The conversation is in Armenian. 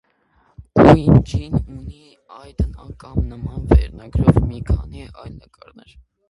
Կուինջին ունի այդ կամ նման վերնագրով մի քանի այլ նկարներ։